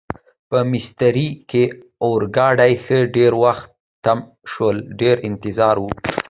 په میسترې کې اورګاډي ښه ډېر وخت تم شول، ډېر انتظار و.